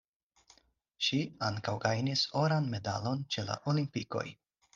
Ŝi ankaŭ gajnis oran medalon ĉe la Olimpikoj.